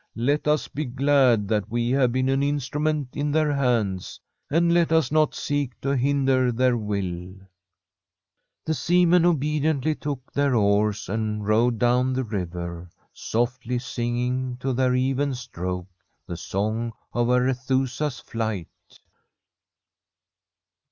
Let us be glad that we have been an instrument in their hands; and let us not seek to hinder their will.' The seamen obediently took their oars and Tbi Forest QUEEN rowed down the river, softly singing to their even stroke the song of Arethusa's flight.